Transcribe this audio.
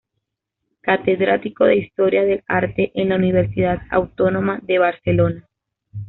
Catedrático de historia del arte en la Universidad Autónoma de Barcelona.